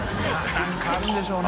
何かあるんでしょうね。